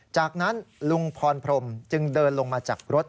จากนั้นลุงพรพรมจึงเดินลงมาจากรถ